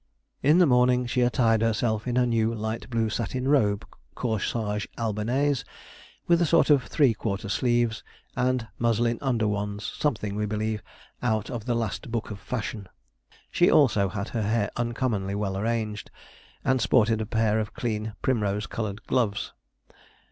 In the morning she attired herself in her new light blue satin robe, corsage Albanaise, with a sort of three quarter sleeves, and muslin under ones something, we believe, out of the last book of fashion. She also had her hair uncommonly well arranged, and sported a pair of clean primrose coloured gloves.